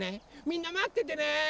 みんなまっててね！